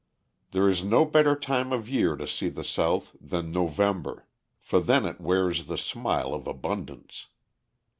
There is no better time of year to see the South than November; for then it wears the smile of abundance.